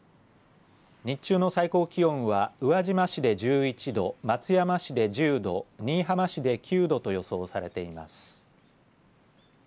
日中の最高気温は宇和島市で１１度松山市で１０度新居浜市で９度と予想されています。